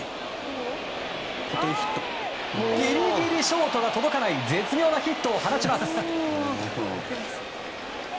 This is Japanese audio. ギリギリ、ショートが届かない絶妙なヒットを放ちます。